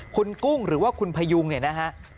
คุณกุ้งหรือว่าคุณพยุงเนี่ยนะฮะ